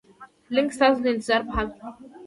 لینک ستاسو د انتظار په حال کې دی.